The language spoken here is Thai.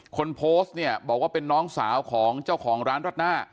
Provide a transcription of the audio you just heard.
คนโพสต์เนี่ยบอกว่าเป็นน้องสาวของเจ้าของร้านรัดหน้า